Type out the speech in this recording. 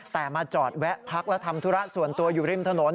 แต่มาจอดแวะพักและทำธุระส่วนตัวอยู่ริมถนน